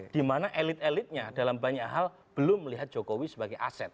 dimana elit elitnya dalam banyak hal belum melihat jokowi sebagai aset